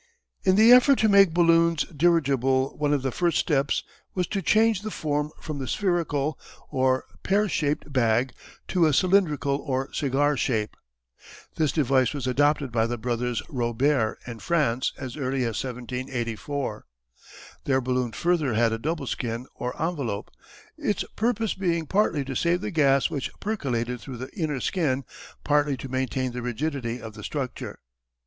In the effort to make balloons dirigible one of the first steps was to change the form from the spherical or pear shaped bag to a cylindrical, or cigar shape. This device was adopted by the brothers Robert in France as early as 1784. Their balloon further had a double skin or envelope, its purpose being partly to save the gas which percolated through the inner skin, partly to maintain the rigidity of the structure.